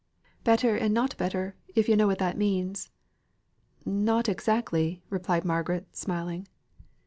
"Better and not better, if yo' know what that means." "Not exactly," replied Margaret, smiling.